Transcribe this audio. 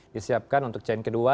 disiapkan untuk chain kedua